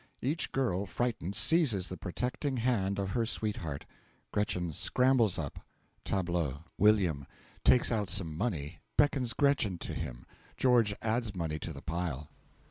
Each girl, frightened, seizes the protecting hand of her sweetheart. GRETCHEN scrambles up. Tableau.) W. (Takes out some money beckons Gretchen to him. George adds money to the pile.)